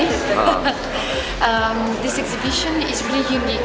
ini adalah pembentangan yang unik